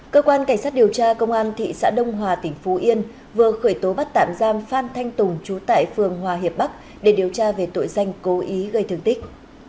cơ quan cảnh sát điều tra công an thị xã đông hòa tỉnh phú yên vừa khởi tố bắt tạm giam phan thanh tùng trú tại phường hòa hiệp bắc để điều tra về tội danh cố ý gây thương tích